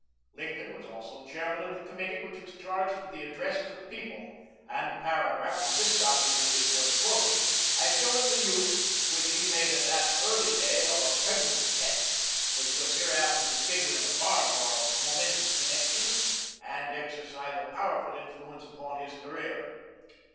Lincoln was also chairman of the committee which was charged with the address to the people, and a paragraph from this document is worth quoting, as showing the use which he made at that early day of a pregnant text which was hereafter to figure in a far more momentous connection, and exercise a powerful influence upon his career.